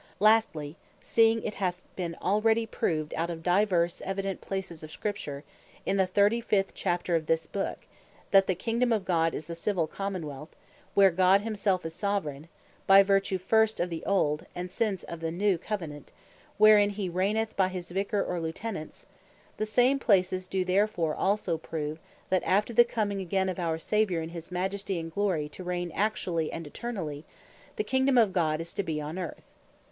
Lastly, seeing it hath been already proved out of divers evident places of Scripture, in the 35. chapter of this book, that the Kingdom of God is a Civil Common wealth, where God himself is Soveraign, by vertue first of the Old, and since of the New Covenant, wherein he reigneth by his Vicar, or Lieutenant; the same places do therefore also prove, that after the comming again of our Saviour in his Majesty, and glory, to reign actually, and Eternally; the Kingdom of God is to be on Earth.